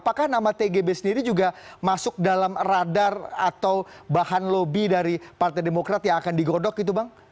apakah nama tgb sendiri juga masuk dalam radar atau bahan lobby dari partai demokrat yang akan digodok gitu bang